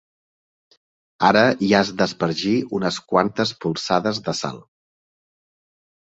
Ara hi has d'espargir unes quantes polsades de sal.